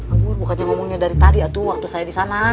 aduh bukannya ngomongnya dari tadi atu waktu saya di sana